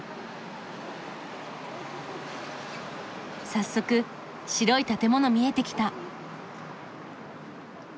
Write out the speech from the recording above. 早速白い建物見えてきた。